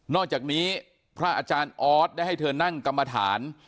อกจากนี้พระอาจารย์ออสได้ให้เธอนั่งกรรมฐาน